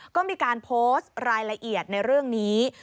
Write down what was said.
ก็มีการโพสต์รายละเอียดในเรื่องนี้